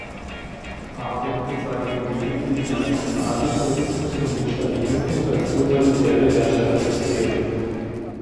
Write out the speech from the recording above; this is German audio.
Arendt bezeichnete lediglich den Nationalsozialismus und den Stalinismus als totalitäre Herrschaftssysteme.